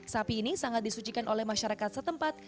sapi ini sangat disucikan oleh masyarakat setempat